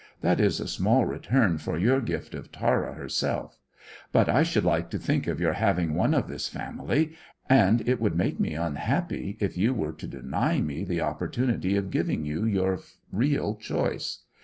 "That is a small return for your gift of Tara herself; but I should like to think of your having one of this family, and it would make me unhappy if you were to deny me the opportunity of giving you your real choice.